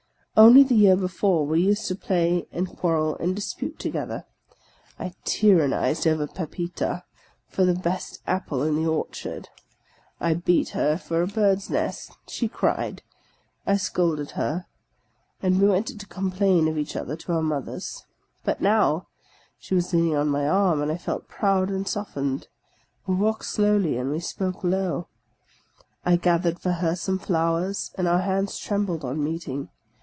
Only the year before, we used to play and quarrel and dispute to gether. I tyrannized over Pepita for the best apple in the orchard ; I beat her for a bird's nest. She cried ; I scolded her, and we went to complain of each other to our mothers. But now — she was leaning on my arm, and I felt proud and soft ened. We walked slowly, and we spoke low. I gathered for her some flowers, and our hands trembled on meeting.